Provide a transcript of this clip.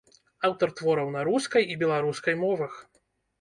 Аўтар твораў на рускай і беларускай мовах.